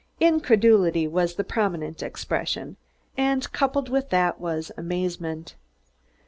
Incredulity was the predominant expression, and coupled with that was amazement.